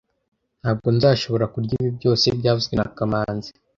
Ntabwo nzashobora kurya ibi byose byavuzwe na kamanzi